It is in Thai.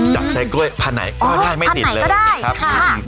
อ๋อจัดใช้กล้วยผ่านไหนก็ได้ไม่ติดเลยครับ